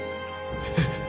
えっ？